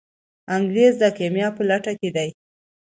انګریز د کیمیا په لټه کې دی.